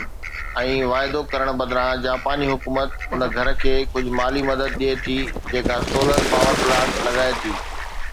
۽ واعدو ڪرڻ بدران، جاپاني حڪومت ان گهر کي ڪجهه مالي مدد ڏئي ٿي جيڪا سولر پاور پلانٽ لڳائي ٿي.